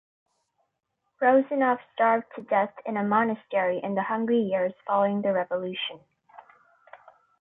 Rozanov starved to death in a monastery in the hungry years following the Revolution.